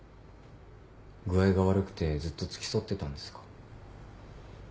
具合が悪くてずっと付き添ってたんですか？